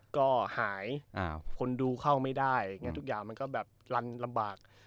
ก็หายคนดูเข้าไม่ได้อย่างนี้ทุกอย่างมันก็แบบลันลำบาก